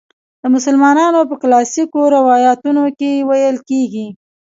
د مسلمانانو په کلاسیکو روایتونو کې ویل کیږي.